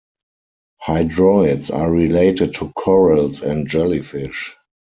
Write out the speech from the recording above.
Hydroids are related to corals and jellyfish.